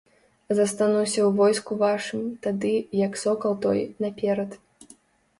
Застануся ў войску вашым, тады, як сокал той, наперад!